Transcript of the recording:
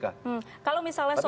kalau misalnya soal